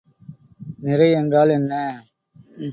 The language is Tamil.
நிறை என்றால் என்ன?